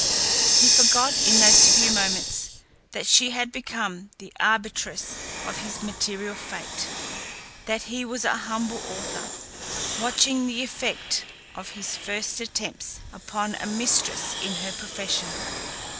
He forgot, in those few moments, that she had become the arbitress of his material fate that he was a humble author, watching the effect of his first attempts upon a mistress in her profession.